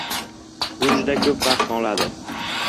Bu juda ko‘p vaqtni oladi.